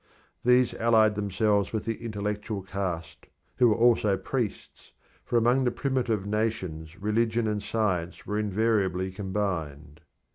These allied themselves with the intellectual caste, who were also priests, for among the primitive nations religion and science were invariably combined.